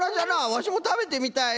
わしもたべてみたい。